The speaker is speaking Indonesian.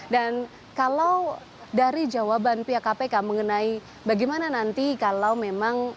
dan kalau dari jawaban pihak kpk mengenai bagaimana nanti kalau memang